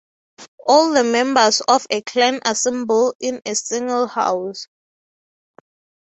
All the members of a clan assemble in a single house.